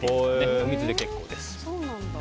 お水で結構です。